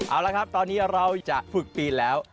เอาละครับตอนนี้เราจะฝึกปีนแล้ว